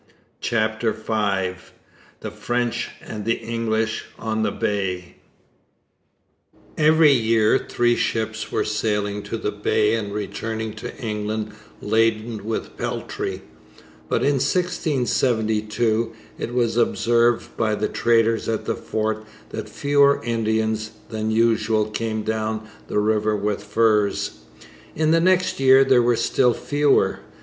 CHAPTER V FRENCH AND ENGLISH ON THE BAY Every year three ships were sailing to the Bay and returning to England laden with peltry; but in 1672 it was observed by the traders at the fort that fewer Indians than usual came down the river with furs. In the next year there were still fewer.